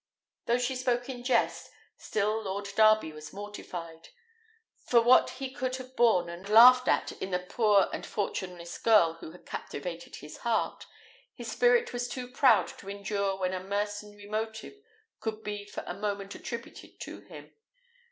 Though she spoke in jest, still Lord Darby was mortified; for what he could have borne and laughed at in the poor and fortuneless girl who had captivated his heart, his spirit was too proud to endure where a mercenary motive could be for a moment attributed to him.